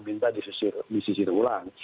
minta disisir ulang